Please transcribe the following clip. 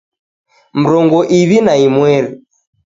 Mrongo iw'i na imweri